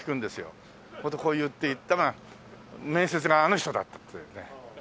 こう言って行ったら面接があの人だったっていうね。